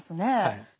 はい。